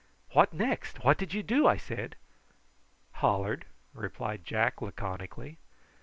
"What next? What did you do?" I said. "Hollered!" replied Jack laconically.